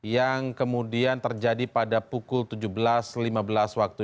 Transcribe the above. yang kemudian terjadi pada pukul tujuh belas lima belas waktu